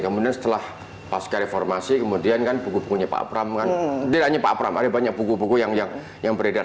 kemudian setelah pasca reformasi kemudian kan buku bukunya pak pram kan tidak hanya pak abram ada banyak buku buku yang beredar